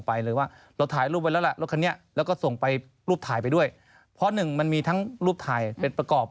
ถ้าเราไม่ร่วมกันเนี่ยปัญหามันไม่จบนะครับ